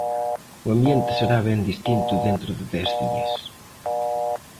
O ambiente será ben distinto dentro de dez días.